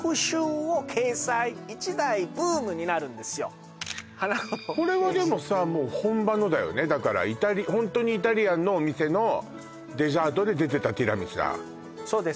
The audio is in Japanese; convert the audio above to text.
そう「Ｈａｎａｋｏ」のページにこれはでもさもう本場のだよねだからホントにイタリアンのお店のデザートで出てたティラミスだそうです